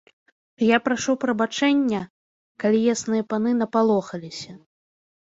Я прашу прабачэння, калі ясныя паны напалохаліся.